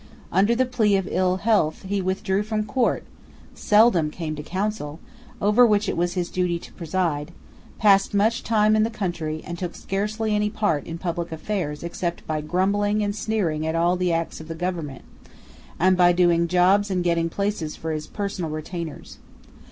Under the plea of ill health, he withdrew from court, seldom came to the Council over which it was his duty to preside, passed much time in the country, and took scarcely any part in public affairs except by grumbling and sneering at all the acts of the government, and by doing jobs and getting places for his personal retainers.